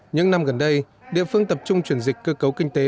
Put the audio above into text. những năm gần đây địa phương tập trung chuyển dịch cơ cấu kinh tế